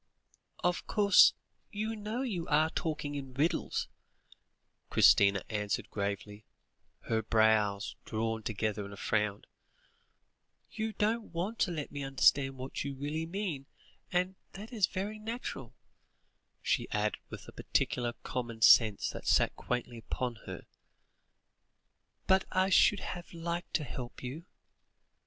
"Of course you know you are talking in riddles," Christina answered gravely, her brows drawn together in a frown; "you don't want to let me understand what you really mean, and that is very natural," she added with a practical common sense that sat quaintly upon her; "but I should have liked to help you."